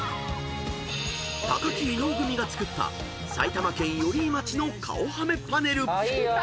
［木・伊野尾組が作った埼玉県寄居町の顔はめパネル］